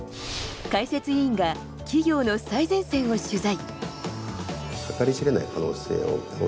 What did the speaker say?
解説委員が、企業の最前線を取材。